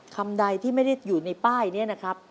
คำใดที่ไม่ได้อยู่ในป้ายนี้นะครับ